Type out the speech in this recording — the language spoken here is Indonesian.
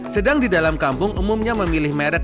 sedang di dalam kampung umumnya memilih merek